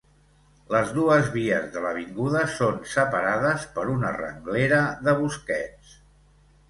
Les dues vies de l'avinguda són separades per una renglera de bosquets.